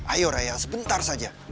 ayo rai sebentar saja